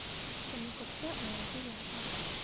Исеме күктә, аяғы ерҙә.